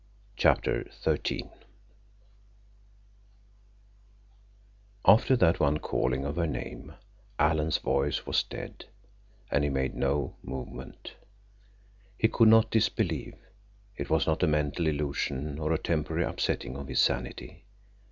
CHAPTER XIII After that one calling of her name Alan's voice was dead, and he made no movement. He could not disbelieve. It was not a mental illusion or a temporary upsetting of his sanity.